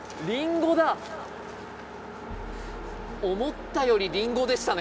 思ったよりリンゴでしたね。